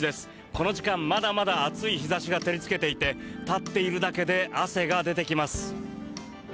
この時間、まだまだ暑い日差しが照りつけていて立っているだけで汗が出てきます。